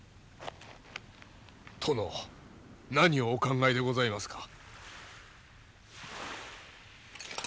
殿何をお考えでございますか。